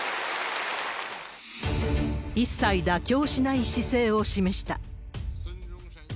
一切妥協しない姿勢を示した。